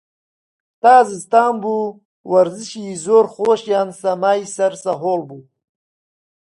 تا زستان بوو، وەرزشی زۆر خۆشیان سەمای سەر سەهۆڵ بوو